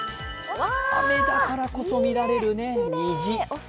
雨だからこそ見られる虹。